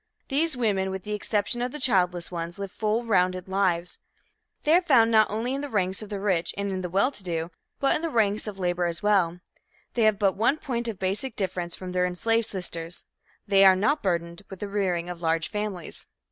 These women, with the exception of the childless ones, live full rounded lives. They are found not only in the ranks of the rich and the well to do, but in the ranks of labor as well. They have but one point of basic difference from their enslaved sisters they are not burdened with the rearing of large families.